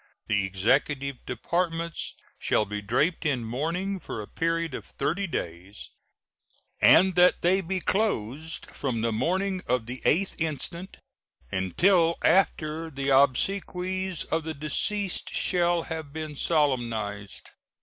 the Executive Departments shall be draped in mourning for a period of thirty days, and that they be closed from the morning of the 8th instant until after the obsequies of the deceased shall have been solemnized.